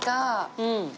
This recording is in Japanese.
うん。